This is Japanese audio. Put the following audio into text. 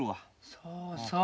そうそう。